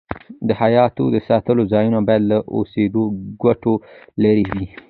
د حیواناتو د ساتلو ځایونه باید له اوسېدو کوټو لیري وي.